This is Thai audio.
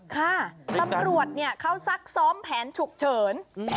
ค่ะตำรวจเขาซักซ้อมแผนฉุกเฉิน